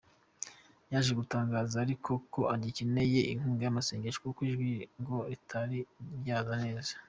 Yaje gutangaza ariko ko agikeneye inkunga y’amasengesho kuko ijwi ngo ritari ryaza neza.